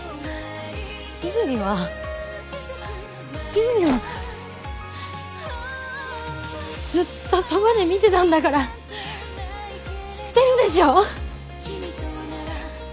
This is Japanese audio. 和泉は和泉はずっとそばで見てたんだから知ってるでしょ